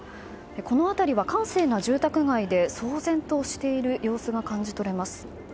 この辺りは、閑静な住宅街で騒然としている様子が感じ取れます。